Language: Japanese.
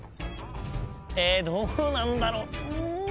えどうなんだろう？